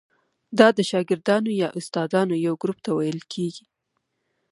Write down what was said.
دا د شاګردانو یا استادانو یو ګروپ ته ویل کیږي.